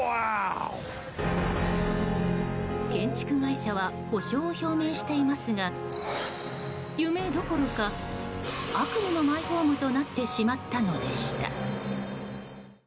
建築会社は補償を表明していますが夢どころか、悪夢のマイホームとなってしまったのでした。